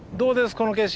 この景色。